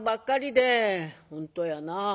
「本当やな。